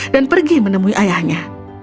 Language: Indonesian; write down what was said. dan pergi menemui ayahnya